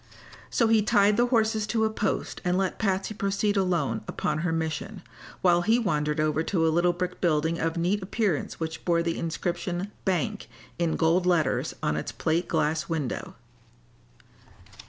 So he tied the horses to a post and let Patsy proceed alone upon her mission, while he wandered over to a little brick building of neat appearance which bore the inscription "Bank" in gold letters on its plate glass window.